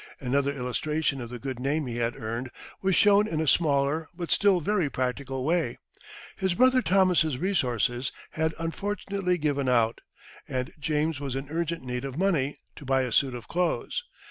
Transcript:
Another illustration of the good name he had earned was shown in a smaller, but still very practical way. His brother Thomas's resources had unfortunately given out, and James was in urgent need of money to buy a suit of clothes.